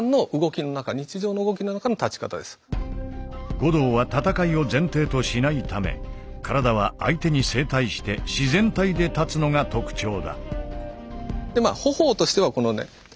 護道は戦いを前提としないため体は相手に正対して自然体で立つのが特徴だ。